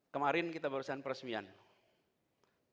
kemarin kita baru saja berbicara tentang halte integrasi csw